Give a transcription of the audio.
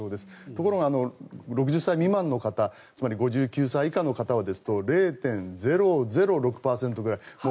ところが、６０歳未満の方つまり５９歳以下の方は０．００６％ぐらい。